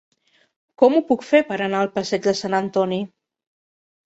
Com ho puc fer per anar al passeig de Sant Antoni?